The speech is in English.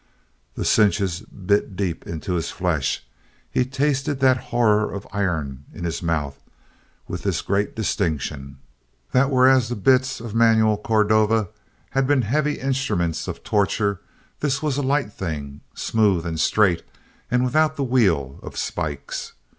The cinches bit deep into his flesh. He tasted that horror of iron in his mouth, with this great distinction: that whereas the bits of Manuel Cordova had been heavy instruments of torture this was a light thing, smooth and straight and without the wheel of spikes.